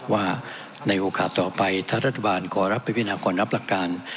ว่าในโอกาสต่อไปถ้ารัฐบาลขอรับพิธีนาคมของนับประการ